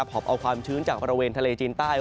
อบเอาความชื้นจากบริเวณทะเลจีนใต้